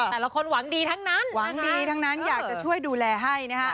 แต่ละคนหวังดีทั้งนั้นหวังดีทั้งนั้นอยากจะช่วยดูแลให้นะฮะ